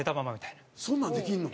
そんなんできんの？